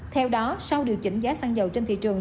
theo đó sau điều chỉnh giá xăng dầu trên thị trường